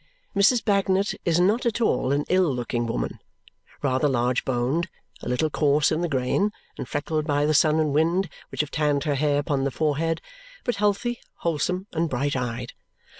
Mrs. Bagnet is not at all an ill looking woman. Rather large boned, a little coarse in the grain, and freckled by the sun and wind which have tanned her hair upon the forehead, but healthy, wholesome, and bright eyed.